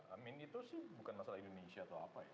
amin itu sih bukan masalah indonesia atau apa ya